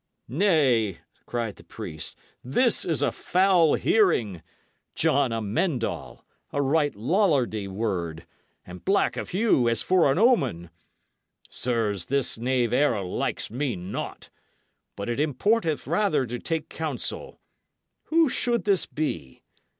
"Nay," cried the priest, "this is a foul hearing! John Amend All! A right Lollardy word. And black of hue, as for an omen! Sirs, this knave arrow likes me not. But it importeth rather to take counsel. Who should this be?